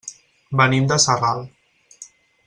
Venim de Sarral.